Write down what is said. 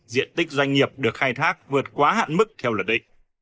diện tích doanh nghiệp được khai thác vượt quá hạn mức theo luật định